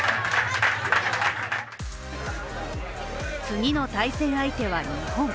次の対戦相手は日本。